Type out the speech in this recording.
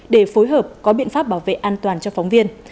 để phối hợp có biện pháp bảo vệ an toàn cho phóng viên